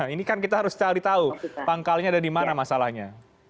ini kan kita harus cari tahu pangkalnya ada di mana masalahnya